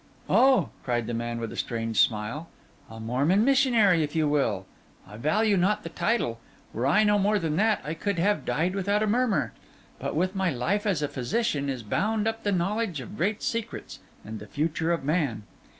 'Oh!' cried the man, with a strange smile, 'a Mormon missionary if you will! I value not the title. Were I no more than that, I could have died without a murmur. But with my life as a physician is bound up the knowledge of great secrets and the future of man.